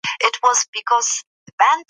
پوهه باید د ذهن د پیاوړي کولو لپاره وي.